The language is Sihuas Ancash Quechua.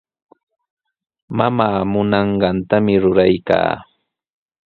Mamaa munanqantami ruraykaa.